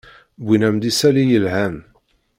Wwiɣ-am-d isalli yelhan.